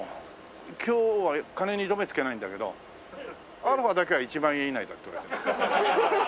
今日は金に糸目つけないんだけどアロハだけは１万円以内だって言われて。